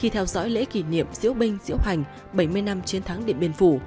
tàu dõi lễ kỷ niệm diễu binh diễu hành bảy mươi năm chiến thắng điện biên phủ